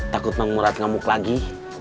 takut mengurat ngamuk lagi